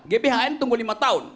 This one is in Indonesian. gbhn tunggu lima tahun